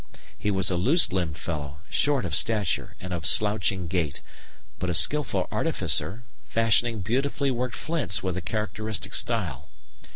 He was a loose limbed fellow, short of stature and of slouching gait, but a skilful artificer, fashioning beautifully worked flints with a characteristic style.